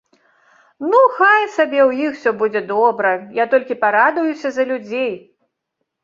Ну, хай сабе ў іх усё будзе добра, я толькі парадуюся за людзей.